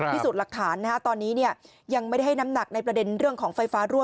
พิสูจน์หลักฐานตอนนี้ยังไม่ได้ให้น้ำหนักในประเด็นเรื่องของไฟฟ้ารั่